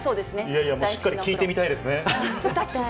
いやいや、もうしっかり聴いてみたいですね。